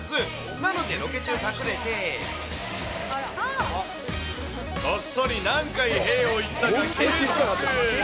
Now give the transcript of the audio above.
なのでロケ中に隠れて、こっそり何回へぇを言ったか、計測。